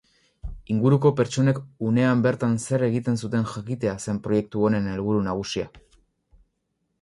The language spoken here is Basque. Inguruko pertsonek unean bertan zer egiten zuten jakitea zen proiektu honen helburu nagusia.